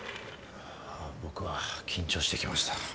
あぁ僕は緊張してきました。